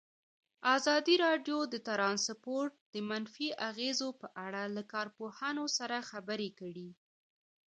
ازادي راډیو د ترانسپورټ د منفي اغېزو په اړه له کارپوهانو سره خبرې کړي.